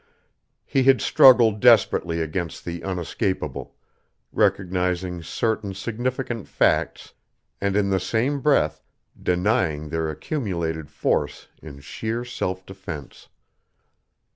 He had struggled desperately against the unescapable, recognizing certain significant facts and in the same breath denying their accumulated force in sheer self defense.